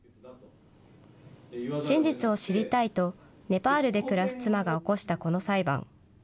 真実を知りたいとネパールで暮らす妻が起こしたこの裁判。